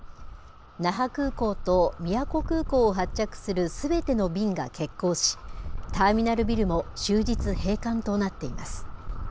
那覇空港と宮古空港を発着するすべての便が欠航し、ターミナルビルも終日閉館となっています。